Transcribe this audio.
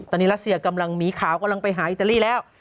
ตอนนี้รัสเซียกำลังมีข่าวกำลังไปหาอิตาลีแล้ว